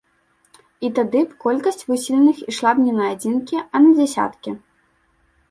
І тады б колькасць выселеных ішла б не на адзінкі, а на дзясяткі.